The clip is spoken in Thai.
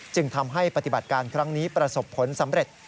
จึงทำให้ปฏิบัติการครั้งนี้ประสบผลสำเร็จ